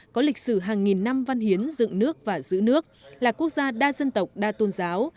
có lịch sử hàng nghìn năm văn hiến dựng nước và giữ nước là quốc gia đa dân tộc đa tôn giáo